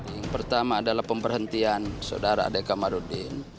yang pertama adalah pemberhentian saudara ade komarudin